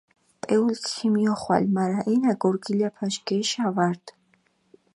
პეულქ ქომიოხვალჷ, მარა ენა გორგილაფაშ გეშა ვარდჷ.